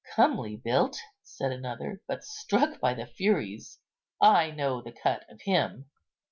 "Comely built," said another, "but struck by the furies. I know the cut of him."